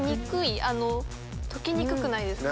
溶けにくくないですか？